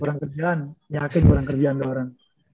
kurang kerjaan yakin kurang kerjaan ya orang